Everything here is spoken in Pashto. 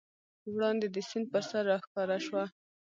وړاندې د سیند پر سر راښکاره شوه.